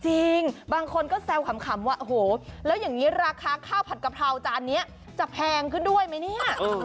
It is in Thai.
จริงบางคนก็แซวขำว่าโอ้โหแล้วอย่างนี้ราคาข้าวผัดกะเพราจานนี้จะแพงขึ้นด้วยไหมเนี่ย